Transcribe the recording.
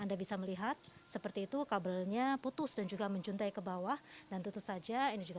anda bisa melihat seperti itu kabelnya putus dan juga menjuntai ke bawah dan tutup saja ini juga